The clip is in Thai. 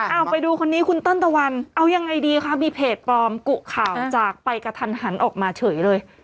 เอาไปดูคนนี้คุณเติ้ลตะวันเอายังไงดีคะมีเพจปลอมกุข่าวจากไปกระทันหันออกมาเฉยเลย